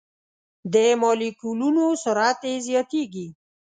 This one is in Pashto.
د مالیکولونو سرعت یې زیاتیږي.